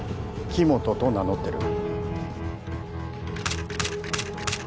木元と名乗ってる